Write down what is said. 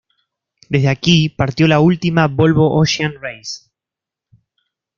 Desde aquí partió la última Volvo Ocean's Race.